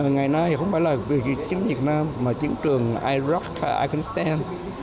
ngày nay không phải là việc chiến việt nam mà chiến trường iraq afghanistan